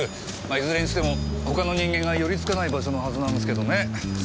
いずれにしても他の人間が寄り付かない場所のはずなんですけどね。